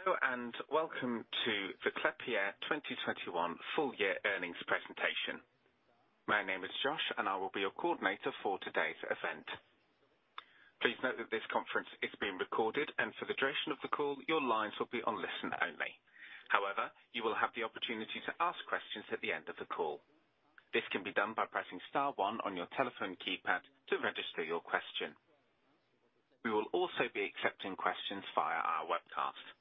Hello, and welcome to the Klépierre 2021 full year earnings presentation. My name is Josh, and I will be your coordinator for today's event. Please note that this conference is being recorded, and for the duration of the call, your lines will be on listen only. However, you will have the opportunity to ask questions at the end of the call. This can be done by pressing star one on your telephone keypad to register your question. We will also be accepting questions via our webcast.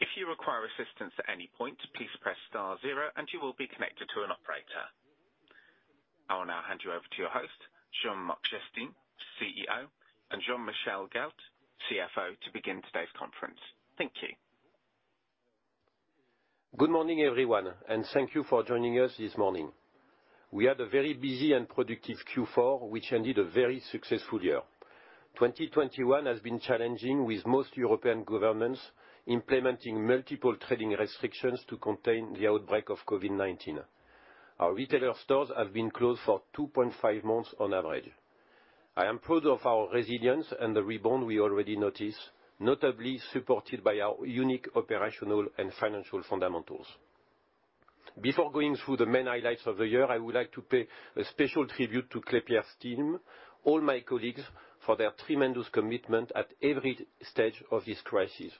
If you require assistance at any point, please press star zero and you will be connected to an operator. I will now hand you over to your host, Jean-Marc Jestin, CEO, and Jean-Michel Gault, CFO, to begin today's conference. Thank you. Good morning, everyone, and thank you for joining us this morning. We had a very busy and productive Q4, which ended a very successful year. 2021 has been challenging with most European governments implementing multiple trading restrictions to contain the outbreak of COVID-19. Our retailer stores have been closed for 2.5 months on average. I am proud of our resilience and the rebound we already notice, notably supported by our unique operational and financial fundamentals. Before going through the main highlights of the year, I would like to pay a special tribute to Klépierre's team, all my colleagues, for their tremendous commitment at every stage of this crisis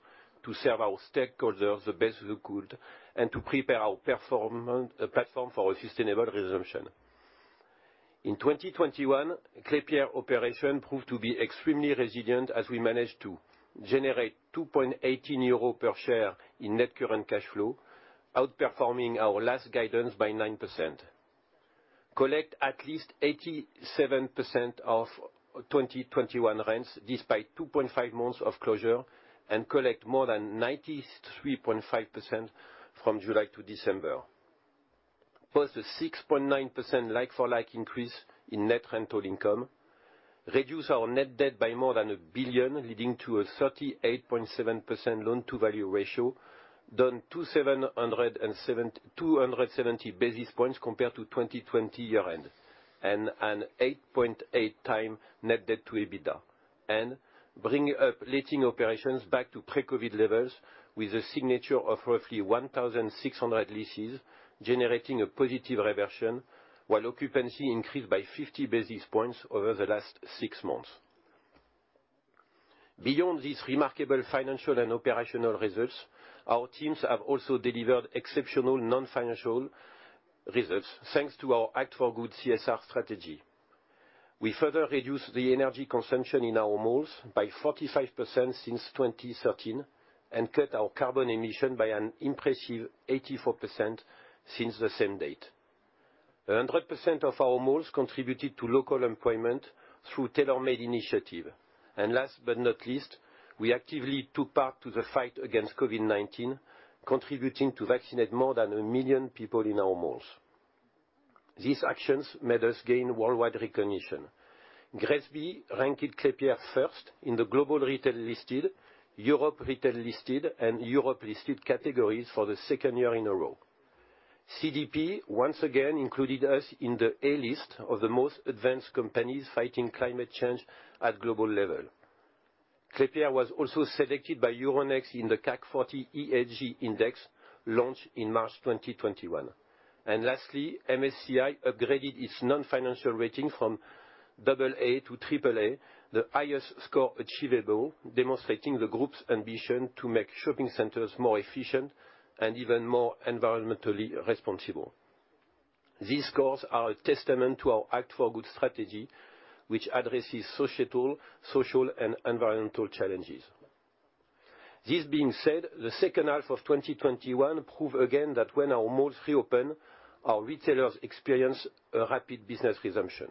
to serve our stakeholders the best we could and to prepare our platform for a sustainable resumption. In 2021, Klépierre's operations proved to be extremely resilient as we managed to generate 2.18 euro per share in net current cash flow, outperforming our last guidance by 9%. We collected at least 87% of 2021 rents despite 2.5 months of closure and collected more than 93.5% from July to December. We posted a 6.9% like-for-like increase in net rental income, reduced our net debt by more than 1 billion, leading to a 38.7% Loan-to-Value ratio, down 270 basis points compared to 2020 year end, and an 8.8x net debt to EBITDA. Bring up letting operations back to pre-COVID levels with a signature of roughly 1,600 leases, generating a positive reversion, while occupancy increased by 50 basis points over the last six months. Beyond these remarkable financial and operational results, our teams have also delivered exceptional non-financial results thanks to our Act for Good CSR strategy. We further reduced the energy consumption in our malls by 45% since 2013 and cut our carbon emission by an impressive 84% since the same date. 100% of our malls contributed to local employment through tailor-made initiative. Last but not least, we actively took part to the fight against COVID-19, contributing to vaccinate more than a million people in our malls. These actions made us gain worldwide recognition. GRESB ranked Klépierre first in the global retail listed, Europe retail listed, and Europe listed categories for the second year in a row. CDP once again included us in the A list of the most advanced companies fighting climate change at global level. Klépierre was also selected by Euronext in the CAC 40 ESG index launched in March 2021. Lastly, MSCI upgraded its non-financial rating from double A to triple A, the highest score achievable, demonstrating the group's ambition to make shopping centers more efficient and even more environmentally responsible. These scores are a testament to our Act for Good strategy, which addresses societal, social, and environmental challenges. This being said, the second half of 2021 prove again that when our malls reopen, our retailers experience a rapid business resumption.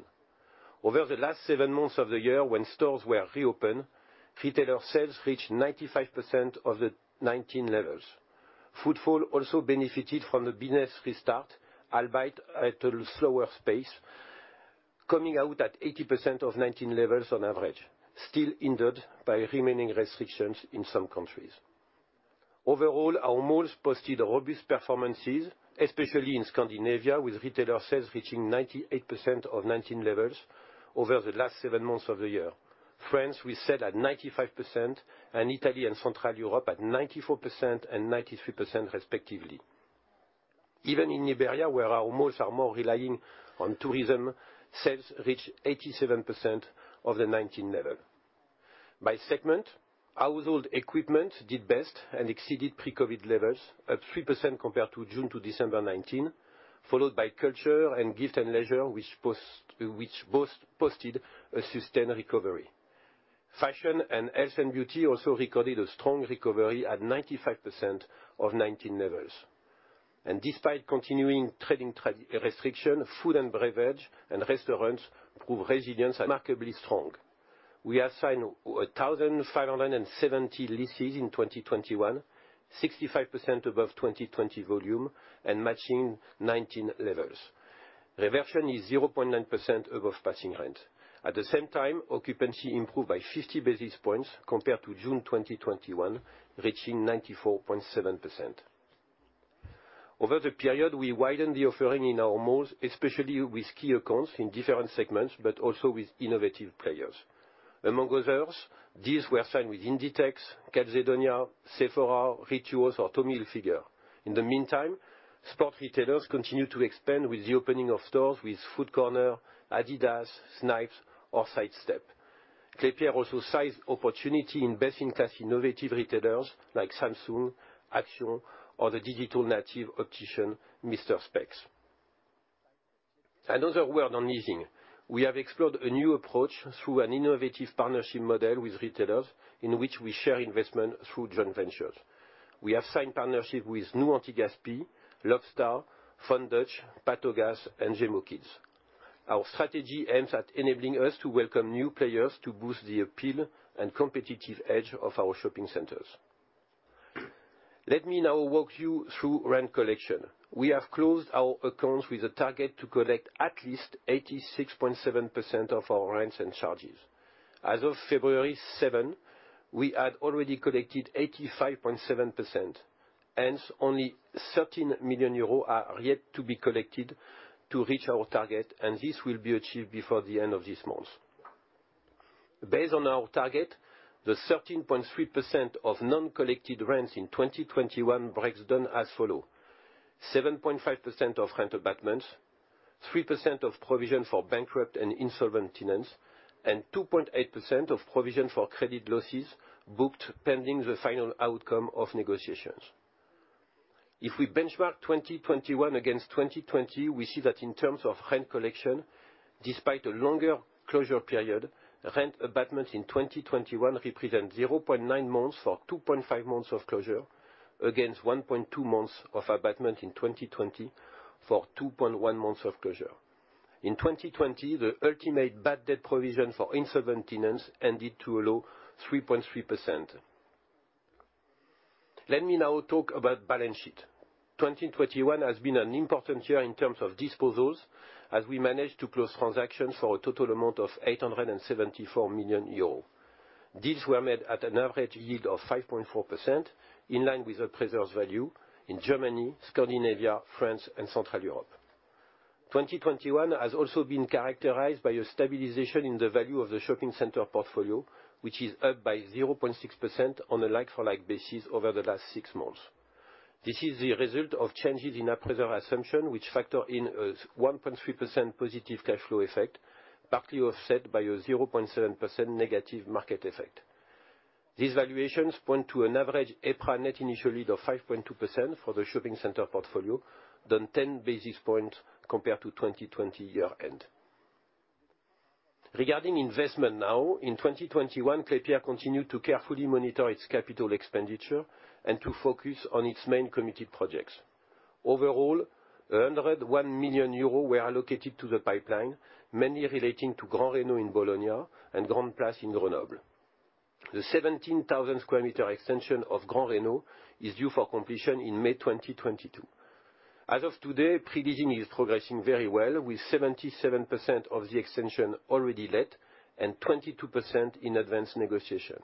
Over the last seven months of the year when stores were reopened, retailer sales reached 95% of the 2019 levels. Footfall also benefited from the business restart, albeit at a slower pace, coming out at 80% of 2019 levels on average, still hindered by remaining restrictions in some countries. Overall, our malls posted robust performances, especially in Scandinavia, with retailer sales reaching 98% of 2019 levels over the last seven months of the year. France, we sat at 95%, and Italy and Central Europe at 94% and 93% respectively. Even in Iberia, where our malls are more relying on tourism, sales reached 87% of the 2019 level. By segment, household equipment did best and exceeded pre-COVID levels at 3% compared to June to December 2019, followed by culture and gift and leisure, which both posted a sustained recovery. Fashion and health and beauty also recorded a strong recovery at 95% of 2019 levels. Despite continuing trading restrictions, food and beverage and restaurants proved resilience remarkably strong. We have signed 1,570 leases in 2021, 65% above 2020 volume and matching 2019 levels. Reversion is 0.9% above passing rent. At the same time, occupancy improved by 50 basis points compared to June 2021, reaching 94.7%. Over the period, we widened the offering in our malls, especially with key accounts in different segments, but also with innovative players. Among others, deals were signed with Inditex, Calzedonia, Sephora, Rituals or Tommy Hilfiger. In the meantime, sport retailers continue to expand with the opening of stores with Foot Locker, adidas, Snipes or Sidestep. Klépierre also seized opportunity in best-in-class innovative retailers like Samsung, Action or the digital native optician, Mister Spex. Another word on leasing. We have explored a new approach through an innovative partnership model with retailers, in which we share investment through joint ventures. We have signed partnership with NOUS anti-gaspi, Love Star, Fun Dutch, Pataugas, and Gémo Kids. Our strategy aims at enabling us to welcome new players to boost the appeal and competitive edge of our shopping centers. Let me now walk you through rent collection. We have closed our accounts with a target to collect at least 86.7% of our rents and charges. As of February 7, we had already collected 85.7%. Hence, only 13 million euros are yet to be collected to reach our target, and this will be achieved before the end of this month. Based on our target, the 13.3% of non-collected rents in 2021 breaks down as follows: 7.5% of rent abatements, 3% of provision for bankrupt and insolvent tenants, and 2.8% of provision for credit losses booked pending the final outcome of negotiations. If we benchmark 2021 against 2020, we see that in terms of rent collection, despite a longer closure period, rent abatements in 2021 represent 0.9 months or 2.5 months of closure against 1.2 months of abatement in 2020 for 2.1 months of closure. In 2020, the ultimate bad debt provision for insolvent tenants amounted to a low 3.3%. Let me now talk about balance sheet. 2021 has been an important year in terms of disposals, as we managed to close transactions for a total amount of 874 million euros. These were made at an average yield of 5.4%, in line with the yield in Germany, Scandinavia, France and Central Europe. 2021 has also been characterized by a stabilization in the value of the shopping center portfolio, which is up by 0.6% on a like-for-like basis over the last six months. This is the result of changes in our yield assumption, which factor in a 1.3% positive cash flow effect, partly offset by a 0.7% negative market effect. These valuations point to an average EPRA net initial yield of 5.2% for the shopping center portfolio, down 10 basis points compared to 2020 year-end. Regarding investment now, in 2021, Klépierre continued to carefully monitor its capital expenditure and to focus on its main committed projects. Overall, 101 million euros were allocated to the pipeline, mainly relating to Grand Reno in Bologna and Grand Place in Grenoble. The 17,000 sq m extension of Grand Reno is due for completion in May 2022. As of today, pre-leasing is progressing very well, with 77% of the extension already let and 22% in advanced negotiation.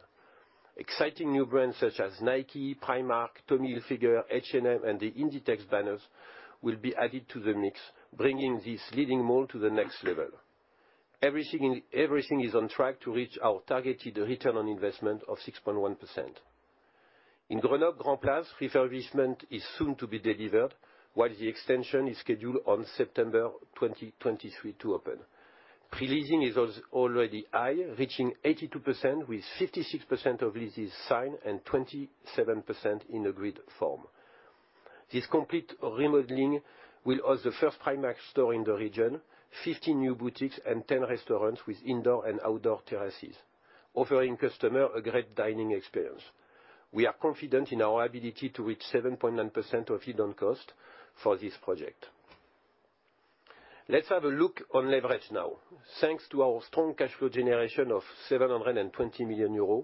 Exciting new brands such as Nike, Primark, Tommy Hilfiger, H&M and the Inditex banners will be added to the mix, bringing this leading mall to the next level. Everything is on track to reach our targeted return on investment of 6.1%. In Grenoble, Grand Place refurbishment is soon to be delivered, while the extension is scheduled on September 2023 to open. Pre-leasing is already high, reaching 82% with 56% of leases signed and 27% in agreed form. This complete remodeling will house the first Primark store in the region, 50 new boutiques and 10 restaurants with indoor and outdoor terraces, offering customer a great dining experience. We are confident in our ability to reach 7.9% of yield on cost for this project. Let's have a look on leverage now. Thanks to our strong cash flow generation of 720 million euros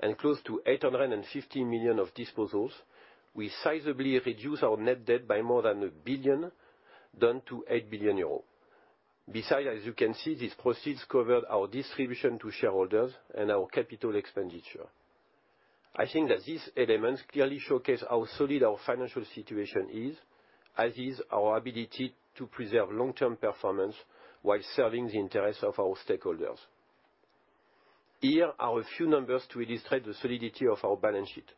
and close to 850 million of disposals, we sizably reduce our net debt by more than 1 billion, down to 8 billion euros. Besides, as you can see, these proceeds covered our distribution to shareholders and our capital expenditure. I think that these elements clearly showcase how solid our financial situation is, as is our ability to preserve long-term performance while serving the interests of our stakeholders. Here are a few numbers to illustrate the solidity of our balance sheet.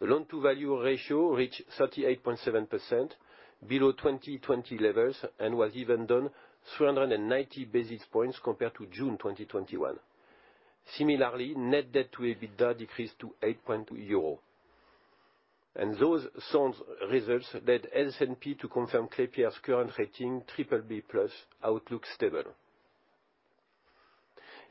The Loan-to-Value ratio reached 38.7%, below 2020 levels, and was even down 390 basis points compared to June 2021. Similarly, net debt to EBITDA decreased to 8.2x. Those sound results led S&P to confirm Klépierre's current rating, BBB+, outlook stable.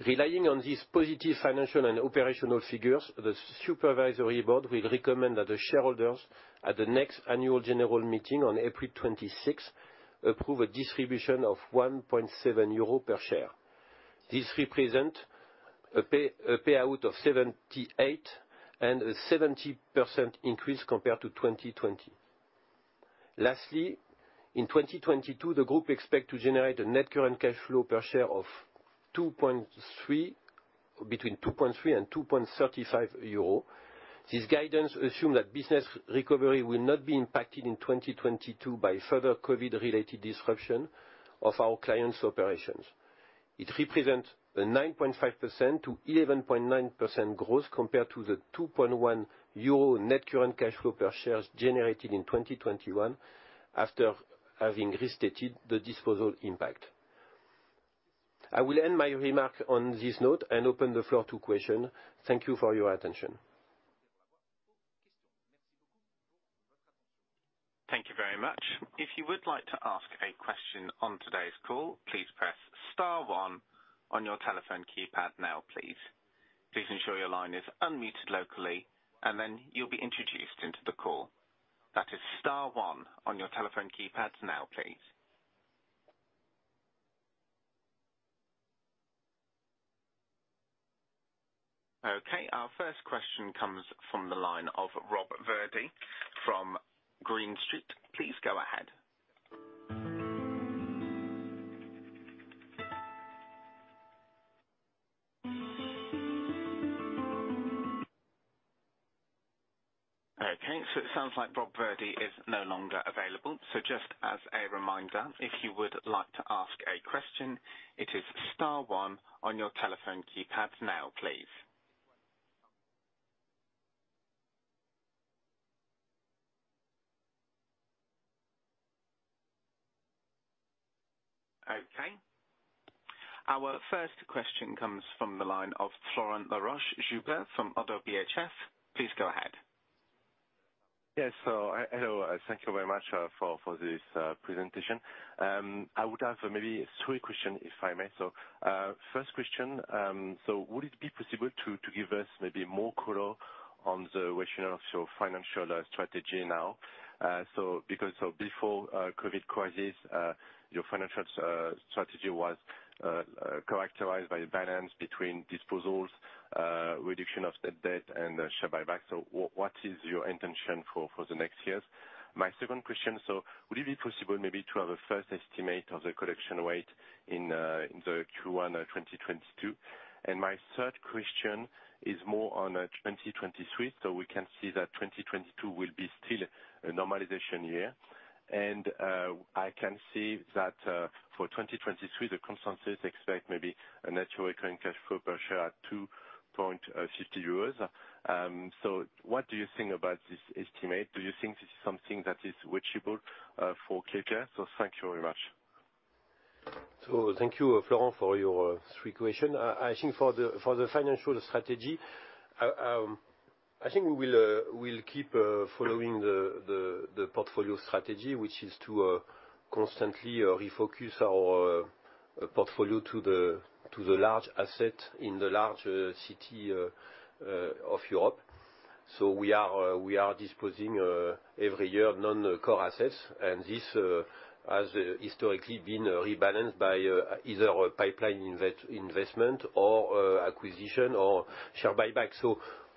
Relying on these positive financial and operational figures, the supervisory board will recommend that the shareholders at the next annual general meeting on April 26 approve a distribution of 1.7 euro per share. This represents a payout of 78% and a 70% increase compared to 2020. Lastly, in 2022, the group expects to generate a net current cash flow per share of 2.3, between 2.3 and 2.35 euro. This guidance assumes that business recovery will not be impacted in 2022 by further COVID-related disruption of our clients' operations. It represents a 9.5%-11.9% growth compared to the 2.1 euro net current cash flow per share generated in 2021 after having restated the disposal impact. I will end my remarks on this note and open the floor to questions. Thank you for your attention. Thank you very much. If you would like to ask a question on today's call, please press star one on your telephone keypad now, please. Please ensure your line is unmuted locally, and then you'll be introduced into the call. That is star one on your telephone keypads now, please. Okay, our first question comes from the line of Rob Virdee from Green Street. Please go ahead. Okay, so it sounds like Rob Virdee is no longer available. Just as a reminder, if you would like to ask a question, it is star one on your telephone keypad now, please. Okay. Our first question comes from the line of Florent Laroche-Joubert from ODDO BHF. Please go ahead. Yes. Hello. Thank you very much for this presentation. I would have maybe three questions, if I may. First question, would it be possible to give us maybe more color on the rationale of your financial strategy now? Because before the COVID crisis, your financial strategy was characterized by a balance between disposals, reduction of debt and share buyback. What is your intention for the next years? My second question, would it be possible maybe to have a first estimate of the collection rate in Q1 2022? My third question is more on 2023. We can see that 2022 will be still a normalization year. I can see that, for 2023, the consensus expect maybe a net current cash flow per share at 2.50 euros. What do you think about this estimate? Do you think this is something that is reachable for Klépierre? Thank you very much. Thank you, Florent, for your three questions. I think for the financial strategy, I think we will keep following the portfolio strategy, which is to constantly refocus our portfolio to the large assets in the large cities of Europe. We are disposing every year non-core assets. This has historically been rebalanced by either a pipeline investment or acquisition or share buyback.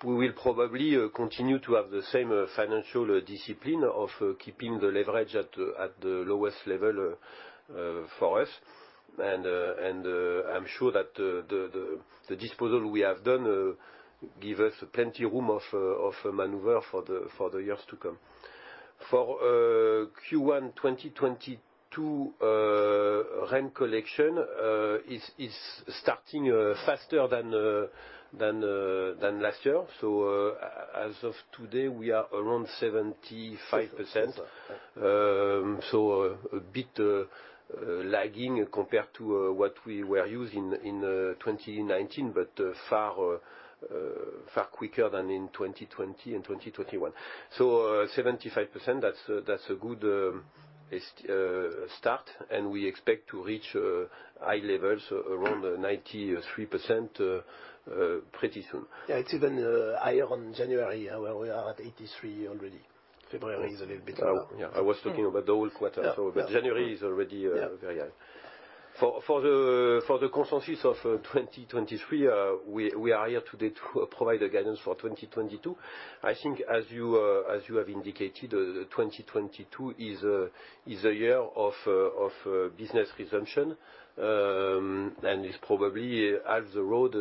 We will probably continue to have the same financial discipline of keeping the leverage at the lowest level for us. I'm sure that the disposal we have done gives us plenty of room for maneuver for the years to come. For Q1 2022, rent collection is starting faster than last year. As of today, we are around 75%. A bit lagging compared to what we were used to in 2019, but far quicker than in 2020 and 2021. 75%, that's a good start, and we expect to reach high levels around 93% pretty soon. Yeah, it's even higher on January, where we are at 83% already. February is a little bit lower. Yeah, I was talking about the whole quarter. Yeah. January is already very high. For the consensus of 2023, we are here today to provide a guidance for 2022. I think as you have indicated, 2022 is a year of business resumption, and is probably half the road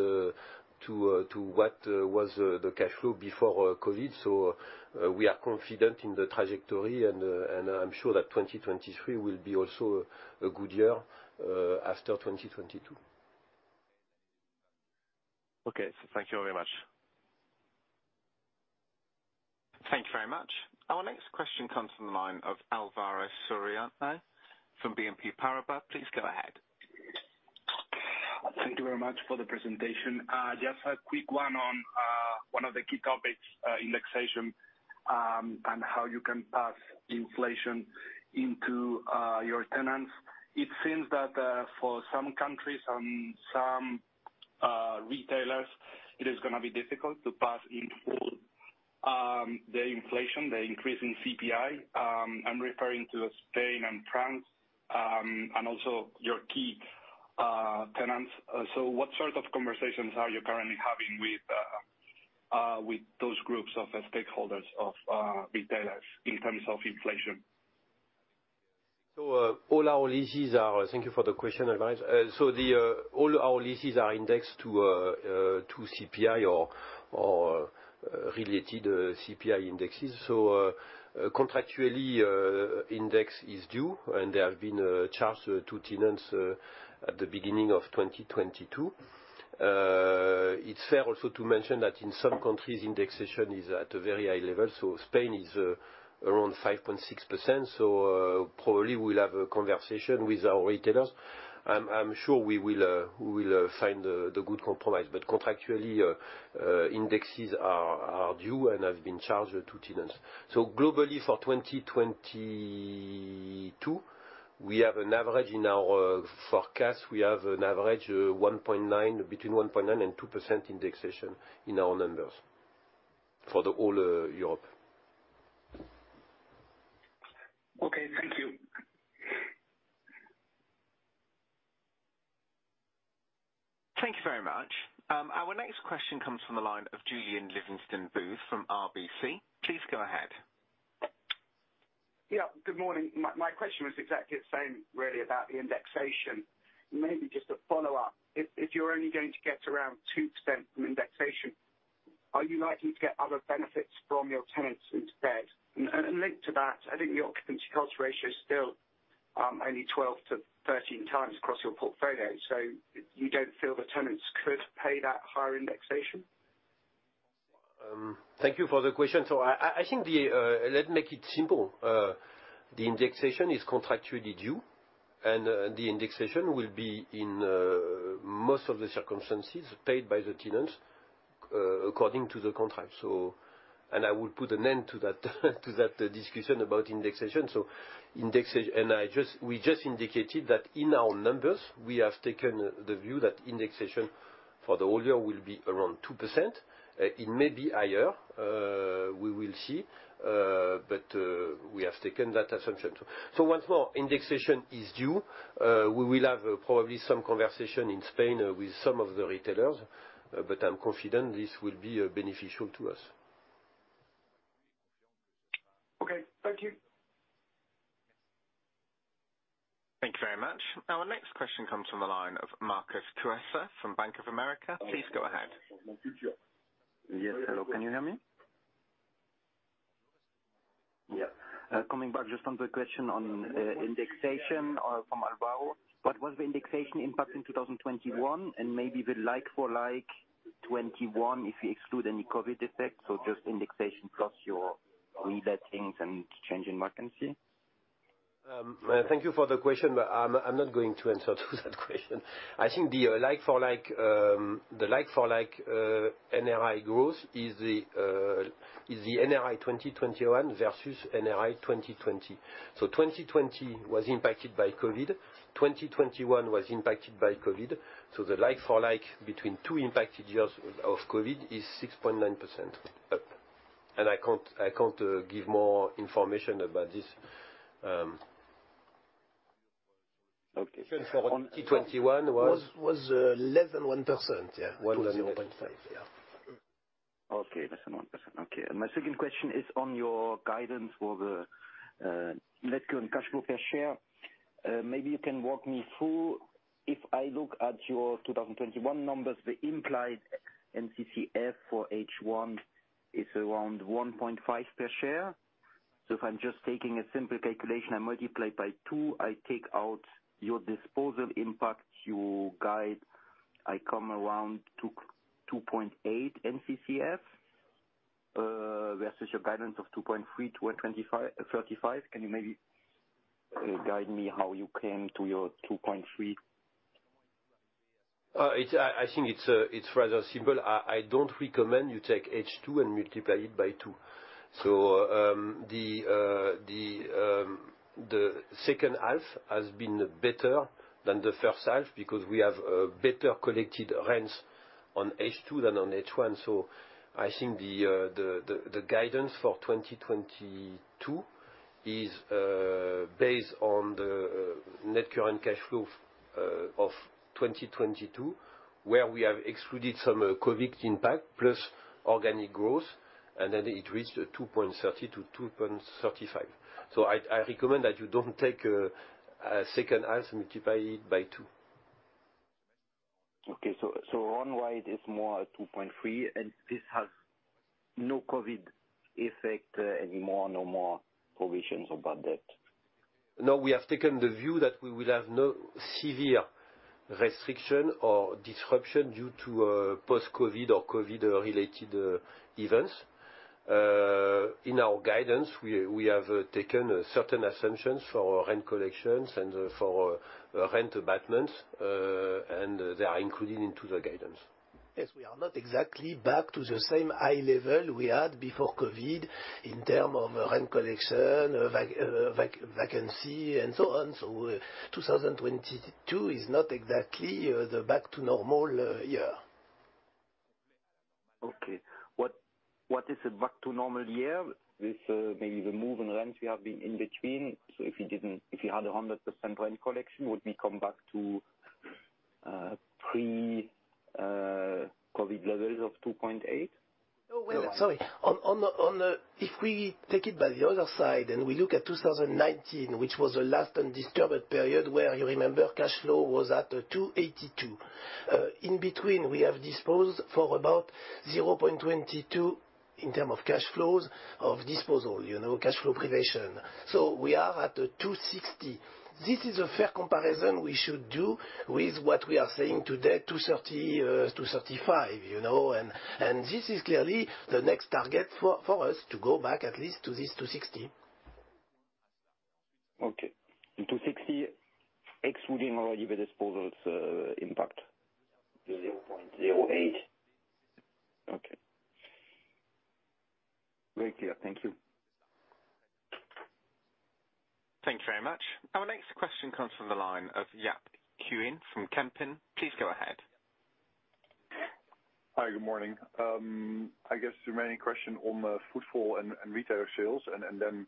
to what was the cash flow before COVID. We are confident in the trajectory, and I'm sure that 2023 will be also a good year after 2022. Okay, thank you very much. Thank you very much. Our next question comes from the line of Alvaro Soriano from BNP Paribas. Please go ahead. Thank you very much for the presentation. Just a quick one on one of the key topics, indexation, and how you can pass inflation into your tenants. It seems that for some countries and some retailers, it is gonna be difficult to pass in full the inflation, the increase in CPI. I'm referring to Spain and France, and also your key-... tenants. What sort of conversations are you currently having with those groups of stakeholders of retailers in terms of inflation? Thank you for the question, Alvaro. All our leases are indexed to CPI or related CPI indexes. Contractually, the index is due, and they have been charged to tenants at the beginning of 2022. It's fair also to mention that in some countries, indexation is at a very high level. Spain is around 5.6%, probably we'll have a conversation with our retailers. I'm sure we will find the good compromise. Contractually, indexes are due and have been charged to tenants. Globally for 2022, we have an average in our forecast. We have an average 1.9, between 1.9% and 2% indexation in our numbers for the whole Europe. Okay, thank you. Thank you very much. Our next question comes from the line of Julian Livingston-Booth from RBC. Please go ahead. Yeah, good morning. My question was exactly the same really about the indexation. Maybe just a follow-up. If you're only going to get around 2% from indexation, are you likely to get other benefits from your tenants instead? Linked to that, I think the occupancy cost ratio is still only 12%-13% across your portfolio, so you don't feel the tenants could pay that higher indexation? Thank you for the question. Let's make it simple. The indexation is contractually due, and the indexation will be in most of the circumstances paid by the tenants according to the contract. I will put an end to that discussion about indexation. We just indicated that in our numbers, we have taken the view that indexation for the whole year will be around 2%. It may be higher, we will see. But we have taken that assumption. Once more, indexation is due. We will have probably some conversation in Spain with some of the retailers, but I'm confident this will be beneficial to us. Okay. Thank you. Thank you very much. Our next question comes from the line of Marcus Tressa from Bank of America. Please go ahead. Yes, hello. Can you hear me? Yeah. Coming back just on the question on indexation from Alvaro, what was the indexation impact in 2021? Maybe the like-for-like 2021, if you exclude, any COVID effects? so just indexation plus your relettings and change in vacancy. Thank you for the question, but I'm not going to answer to that question. I think the like-for-like NRI growth is the NRI 2021 versus NRI 2020. 2020 was impacted by COVID. 2021 was impacted by COVID. The like-for-like between two impacted years of COVID is 6.9% up. I can't give more information about this. Okay. For 2021 was Was less than 1%. Yeah. 10.5. Yeah. Less than 1%. My second question is on your guidance for the net current cash flow per share. Maybe you can walk me through. If I look at your 2021 numbers, the implied NCCF for H1 is around 1.5 per share. If I'm just taking a simple calculation, I multiply it by two, I take out your disposal impact, your guidance, I come around 2.8 NCCF versus your guidance of 2.3-2.35. Can you maybe guide me how you came to your 2.3? It's rather simple. I don't recommend you take H2 and multiply it by two. The second half has been better than the first half because we have better collected rents on H2 than on H1. I think the guidance for 2022 is based on the net current cash flow of 2022, where we have excluded some COVID impact plus organic growth, and then it reached 2.30-2.35. I recommend that you don't take a second half, multiply it by two. Okay. One way it is more 2.3, and this has no COVID effect anymore, no more provisions about that? No, we have taken the view that we will have no severe restriction or disruption due to post-COVID or COVID-related events. In our guidance, we have taken certain assumptions for rent collections and for rent abatements, and they are included into the guidance. Yes, we are not exactly back to the same high level we had before COVID in terms of rent collection, vacancy and so on. 2022 is not exactly the back to normal year. Exactly. What is it back to normal year with maybe the move and rents we have been in between? If you had 100% rent collection, would we come back to pre-COVID levels of 2.8? If we take it by the other side, and we look at 2019, which was the last undisturbed period where you remember cash flow was at 2.82. In between, we have disposed for about 0.22 in terms of cash flows of disposal, you know, cash flow creation. So we are at 2.60. This is a fair comparison we should do with what we are saying today, 2.30-2.35, you know. This is clearly the next target for us to go back at least to this 2.60. Okay. 260 excluding all your disposals, impact. 0.08. Okay. Very clear. Thank you. Thank you very much. Our next question comes from the line of Jaap Kuin from Kempen. Please go ahead. Hi, good morning. I guess the main question on the footfall and retail sales and then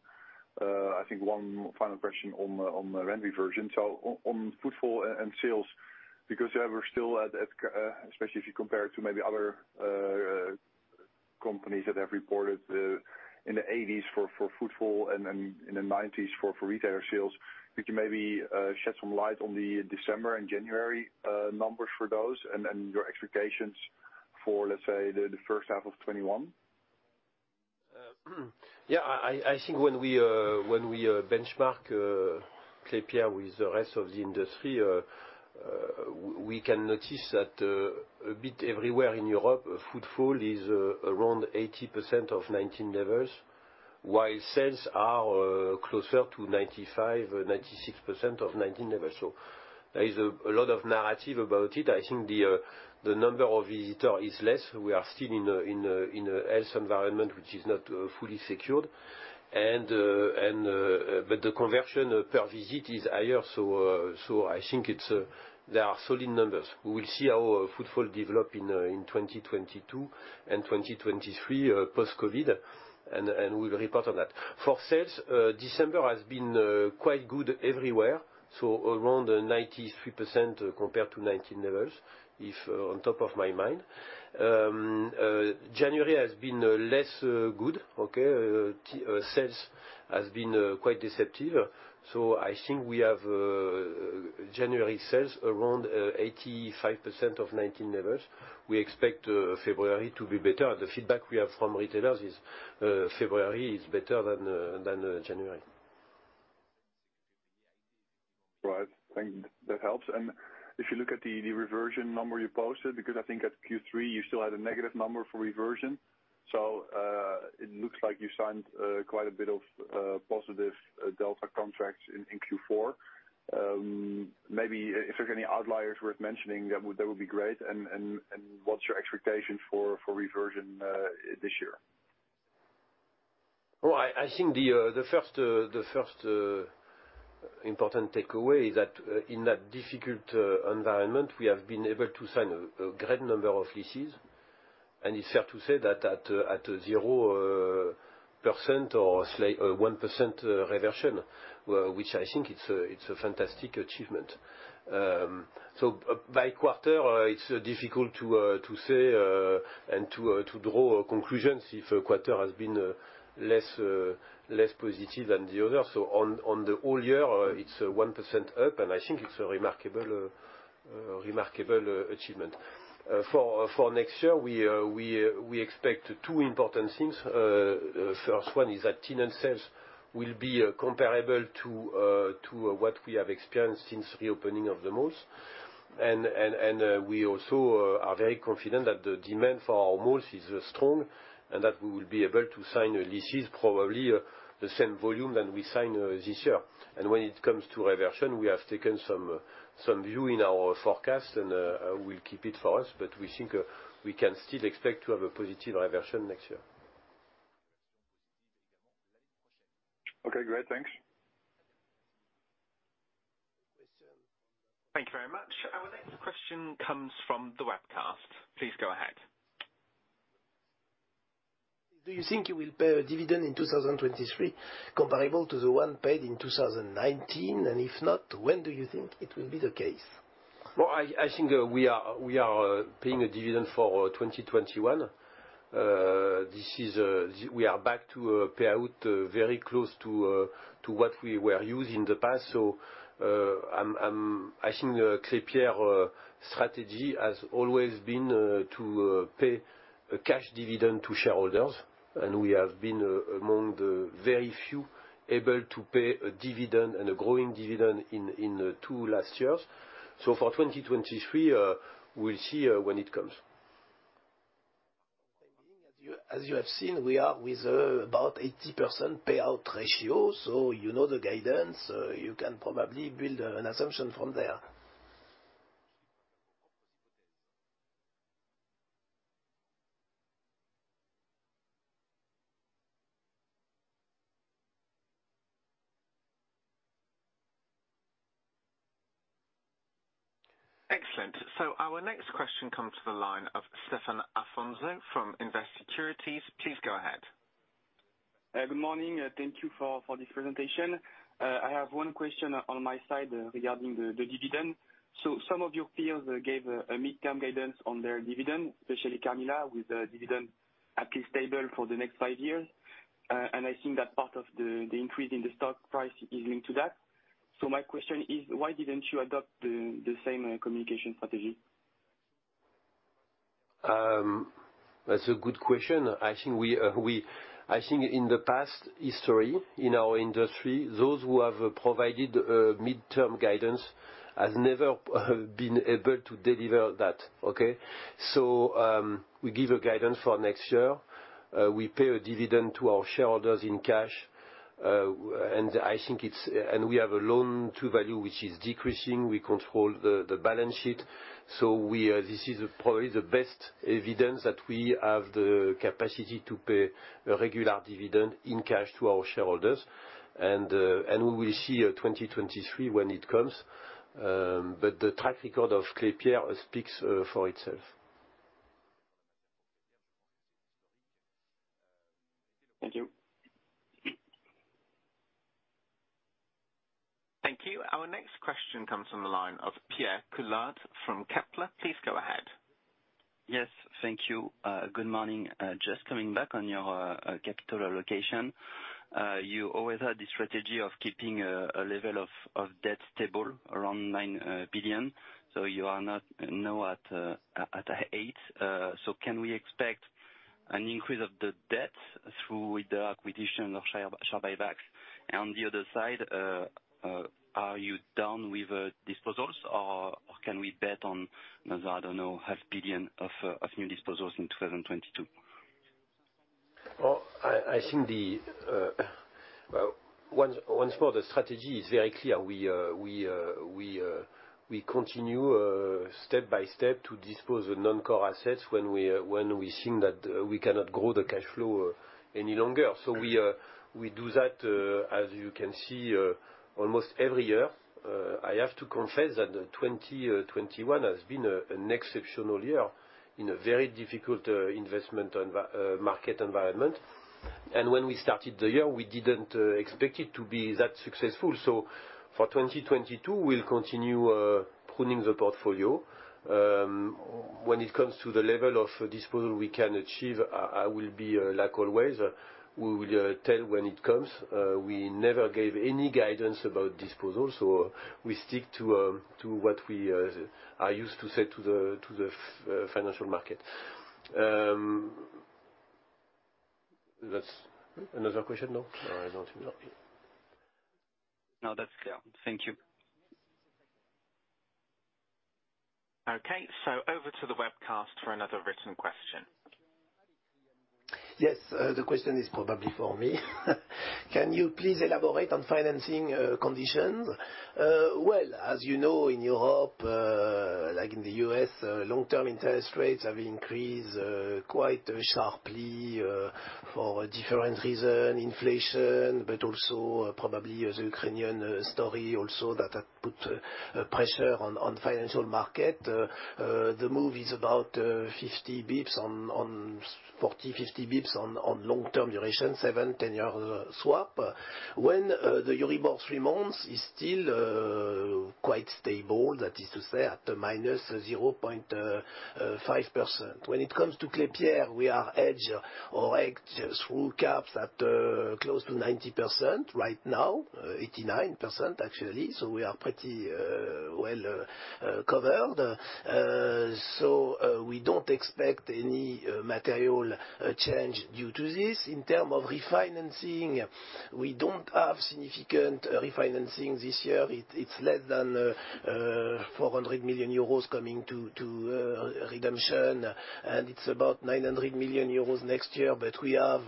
I think one final question on the revenue revision. On footfall and sales, because you are still at, especially if you compare it to maybe other companies that have reported in the 80s% for footfall and in the 90s% for retailer sales. Could you maybe shed some light on the December and January numbers for those and your expectations for, let's say, the first half of 2021? I think when we benchmark Klépierre with the rest of the industry, we can notice that a bit everywhere in Europe, footfall is around 80% of 2019 levels, while sales are closer to 95%, 96% of 2019 levels. There is a lot of narrative about it. I think the number of visitor is less. We are still in a health environment which is not fully secured. But the conversion per visit is higher, so I think there are solid numbers. We will see how footfall develop in 2022 and 2023, post-COVID, and we'll report on that. For sales, December has been quite good everywhere, so around 93% compared to 2019 levels, off the top of my mind. January has been less good, okay. Sales has been quite disappointing. I think we have January sales around 85% of 2019 levels. We expect February to be better. The feedback we have from retailers is February is better than January. Right. Thank you. That helps. If you look at the reversion number you posted, because I think at Q3 you still had a negative number for reversion. It looks like you signed quite a bit of positive delta contracts in Q4. Maybe if there's any outliers worth mentioning, that would be great. What's your expectation for reversion this year? Well, I think the first important takeaway is that in that difficult environment, we have been able to sign a great number of leases. It's fair to say that at 0% or 1% reversion, which I think it's a fantastic achievement. By quarter, it's difficult to say and to draw conclusions if a quarter has been less positive than the other. On the whole year, it's 1% up, and I think it's a remarkable achievement. For next year, we expect two important things. First one is that tenant sales will be comparable to what we have experienced since reopening of the malls. We also are very confident that the demand for our malls is strong and that we will be able to sign leases probably the same volume that we signed this year. When it comes to reversion, we have taken some view in our forecast, and we'll keep it for us, but we think we can still expect to have a positive reversion next year. Okay, great. Thanks. Thank you very much. Our next question comes from the webcast. Please go ahead. Do you think you will pay a dividend in 2023 comparable to the one paid in 2019? If not, when do you think it will be the case? I think we are paying a dividend for 2021. This is we are back to payout very close to what we were used to in the past. I think Klépierre strategy has always been to pay a cash dividend to shareholders. We have been among the very few able to pay a dividend and a growing dividend in the two last years. For 2023, we'll see when it comes. As you have seen, we are with about 80% payout ratio. You know the guidance. You can probably build an assumption from there. Excellent. Our next question comes to the line of Stéphane Afonso from Invest Securities. Please go ahead. Good morning. Thank you for this presentation. I have one question on my side regarding the dividend. Some of your peers gave a midterm guidance on their dividend, especially Carmila, with a dividend at least stable for the next five years. I think that part of the increase in the stock price is linked to that. My question is, why didn't you adopt the same communication strategy? That's a good question. I think in the past history in our industry, those who have provided midterm guidance has never been able to deliver that. Okay? We give a guidance for next year. We pay a dividend to our shareholders in cash, and I think it's. We have a Loan-to-Value which is decreasing. We control the balance sheet. This is probably the best evidence that we have the capacity to pay a regular dividend in cash to our shareholders. And we will see 2023 when it comes. But the track record of Klépierre speaks for itself. Thank you. Thank you. Our next question comes from the line of Pierre Clouard from Kepler. Please go ahead. Yes. Thank you. Good morning. Just coming back on your capital allocation. You always had the strategy of keeping a level of debt stable around 9 billion, so you are not now at 8 billion. Can we expect an increase of the debt through acquisitions or share buybacks? On the other side, are you done with disposals or can we bet on, I don't know, half billion of new disposals in 2022? I think once more the strategy is very clear. We continue step-by-step to dispose the non-core assets when we think that we cannot grow the cash flow any longer. We do that as you can see almost every year. I have to confess that 2021 has been an exceptional year in a very difficult investment market environment. When we started the year, we didn't expect it to be that successful. For 2022, we'll continue pruning the portfolio. When it comes to the level of disposal we can achieve, I will be like always, we will tell when it comes. We never gave any guidance about disposals, so we stick to what I used to say to the financial market. That's another question? No? No, I don't think so. No, that's clear. Thank you. Okay. Over to the webcast for another written question. Yes. The question is probably for me. Can you please elaborate on financing conditions? Well, as you know, in Europe, like in the U.S., long-term interest rates have increased quite sharply for different reason, inflation, but also probably the Ukrainian story also that have put pressure on financial market. The move is about 40-50 basis points on long-term, seven to10-year swap. When the Euribor three-month is still quite stable, that is to say at -0.5%. When it comes to Klépierre, we are hedged through caps at close to 90%. Right now, 89%, actually, so we are pretty well covered. We don't expect any material change due to this. In terms of refinancing, we don't have significant refinancing this year. It's less than 400 million euros coming to redemption, and it's about 900 million euros next year. But we have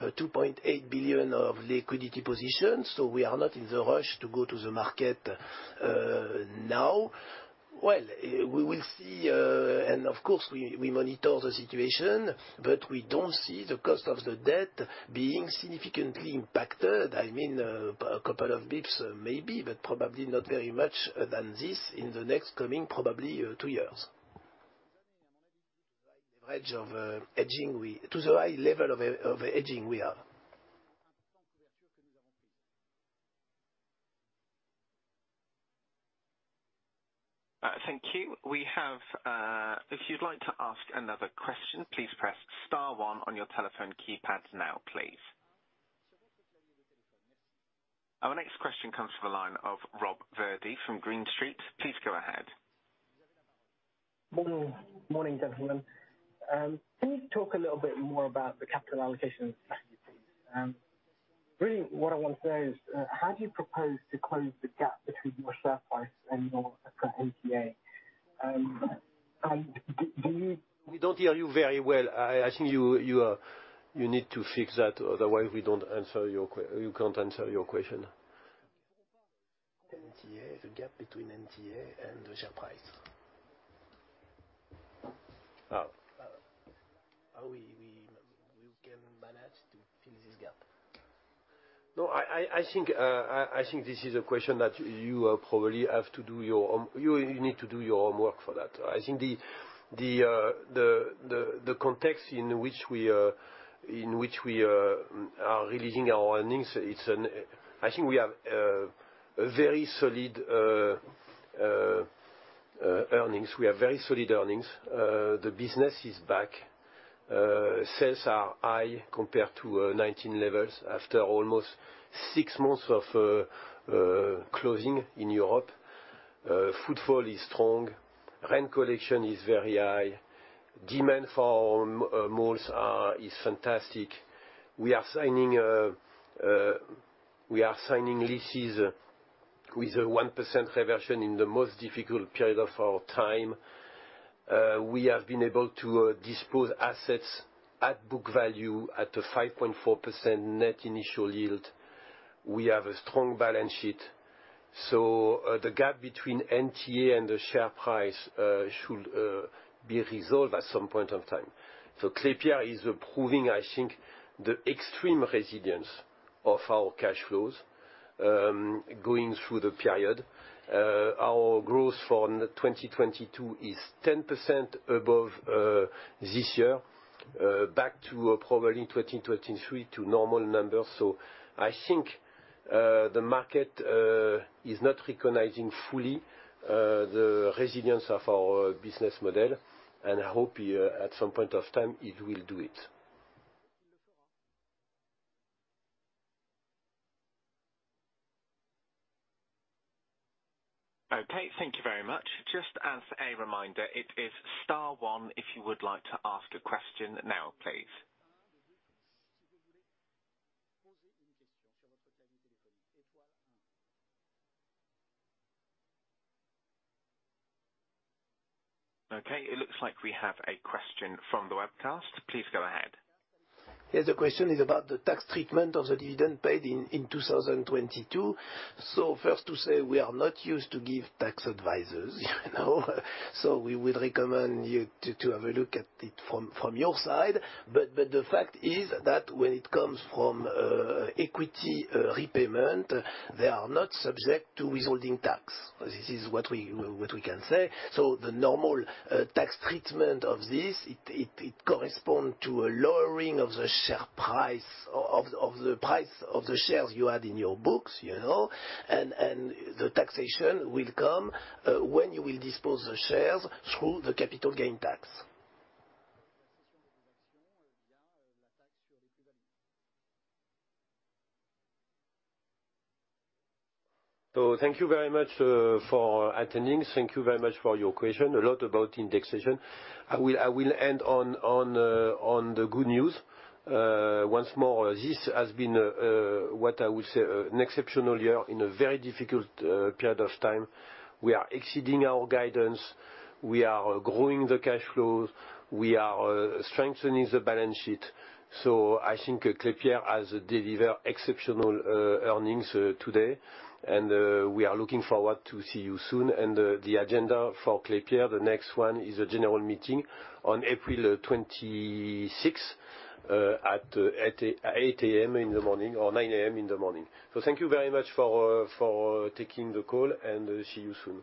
2.8 billion of liquidity position, so we are not in the rush to go to the market now. Well, we will see, and of course, we monitor the situation, but we don't see the cost of the debt being significantly impacted. I mean, a couple of basis points maybe, but probably not very much than this in the next coming probably two years. The range of hedging to the high level of hedging we have. Thank you. If you'd like to ask another question, please press star one on your telephone keypad now, please. Our next question comes from the line of Rob Virdee from Green Street. Please go ahead. Morning. Morning, gentlemen. Can you talk a little bit more about the capital allocation strategy? Really what I want to say is, how do you propose to close the gap between your share price and your current NTA? Do you- We don't hear you very well. I think you need to fix that. Otherwise, we can't answer your question. NTA, the gap between NTA and the share price. How we can manage to fill this gap. No, I think this is a question that you probably have to do your own. You need to do your own work for that. I think the context in which we are releasing our earnings, it's an. I think we have a very solid earnings. We have very solid earnings. The business is back. Sales are high compared to 2019 levels after almost six months of closing in Europe. Footfall is strong. Rent collection is very high. Demand for our malls is fantastic. We are signing leases with a 1% reversion in the most difficult period of our time. We have been able to dispose assets at book value at a 5.4% Net Initial Yield. We have a strong balance sheet. The gap between NTA and the share price should be resolved at some point in time. Klépierre is proving, I think, the extreme resilience of our cash flows going through the period. Our growth for 2022 is 10% above this year, back to probably 2023 to normal numbers. I think the market is not recognizing fully the resilience of our business model, and I hope at some point of time it will do it. Okay, thank you very much. Just as a reminder, it is star one if you would like to ask a question now, please. Okay, it looks like we have a question from the webcast. Please go ahead. Yes, the question is about the tax treatment of the dividend paid in 2022. First to say we are not used to give tax advice, you know? We would recommend you to have a look at it from your side. But the fact is that when it comes from equity repayment, they are not subject to withholding tax. This is what we can say. The normal tax treatment of this, it correspond to a lowering of the share price of the price of the shares you have in your books, you know? The taxation will come when you will dispose the shares through the capital gains tax. Thank you very much for attending. Thank you very much for your question, a lot about indexation. I will end on the good news. Once more, this has been what I would say an exceptional year in a very difficult period of time. We are exceeding our guidance. We are growing the cash flows. We are strengthening the balance sheet. I think Klépierre has delivered exceptional earnings today, and we are looking forward to see you soon. The agenda for Klépierre, the next one is a general meeting on April 26th at 8:00 A.M. in the morning or 9;00 A.M. in the morning. Thank you very much for taking the call, and see you soon.